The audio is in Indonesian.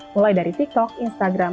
mulai dari tiktok instagram